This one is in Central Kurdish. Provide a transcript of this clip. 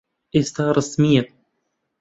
ئێستا ڕەسمییە.